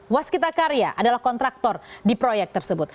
waskita karya adalah kontraktor di proyek tersebut